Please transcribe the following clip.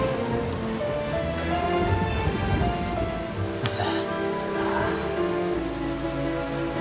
先生。